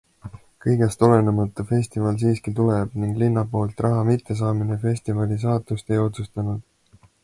Kõigest olenemata festival siiski tuleb ning linna poolt raha mittesaamine festivali saatust ei otsustanud.